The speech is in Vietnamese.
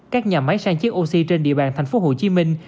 các nhà máy sang chiếc oxy trên địa bàn thành phố hồ chí minh